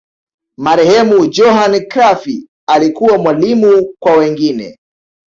marehemu johan crufy alikuwa mwalimu kwa wengine